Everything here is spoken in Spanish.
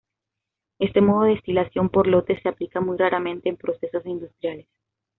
Este modo de destilación por lotes se aplica muy raramente en procesos industriales.